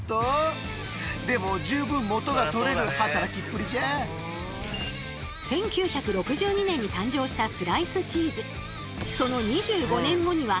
１９６２年に誕生したスライスチーズ。